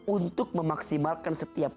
untuk memaksimalkan setiap